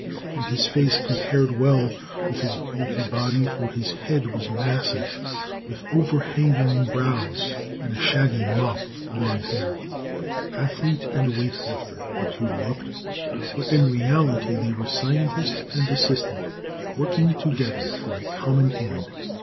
And his face compared well with his bulky body, for his head was massive, with overhanging brows and a shaggy mop of blond hair. Athlete and weight lifter, the two looked, but in reality they were scientist and assistant, working together for a common end.